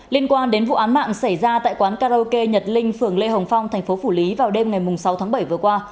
liên quan đến vụ án mạng xảy ra tại quán karaoke nhật linh phường lê hồng phong thành phố phủ lý vào đêm ngày sáu tháng bảy vừa qua